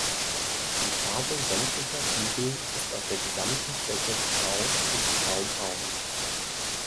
Die Farbe sämtlicher Flügel ist auf der gesamten Fläche Grau bis Graubraun.